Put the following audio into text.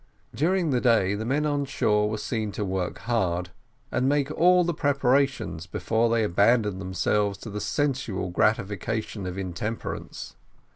During the day, the men on shore were seen to work hard, and make all the preparations before they abandoned themselves to the sensual gratification of intemperance.